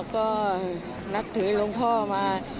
ก็นับถือหลวงพ่อมา